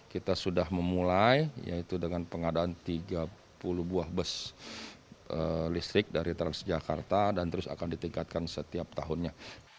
kita sudah memulai yaitu dengan pengadaan tiga puluh buah bus listrik dari transjakarta dan terus akan ditingkatkan setiap tahunnya